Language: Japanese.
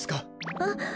あっ！